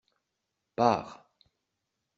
Pars !